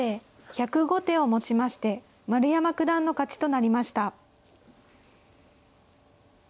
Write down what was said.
１０５手をもちまして丸山九段の勝ちとなりました。